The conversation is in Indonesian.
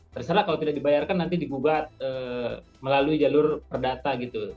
terserah kalau tidak dibayarkan nanti dibubat melalui jalur perdata